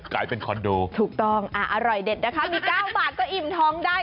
กลายเป็นคอนโดถูกต้องอร่อยเด็ดนะคะมี๙บาทก็อิ่มท้องได้